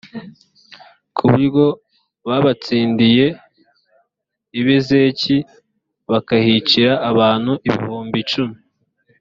ku buryo babatsindiye i bezeki bakahicira abantu ibihumbi icumi